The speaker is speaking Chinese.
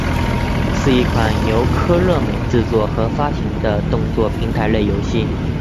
是一款由科乐美制作和发行的动作平台类游戏。